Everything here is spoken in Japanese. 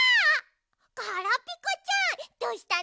ガラピコちゃんどうしたの？